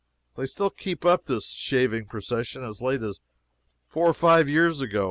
They still kept up this shaving procession as late as four or five years ago.